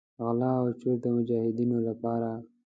غلا او چور د مجاهدینو لپاره.